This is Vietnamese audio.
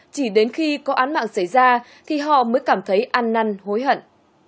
chỉ đến khi có án mạng xảy ra thì họ mới cảm thấy an năn hối hận